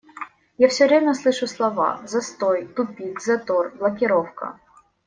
Я все время слышу слова "застой", "тупик", "затор", "блокировка".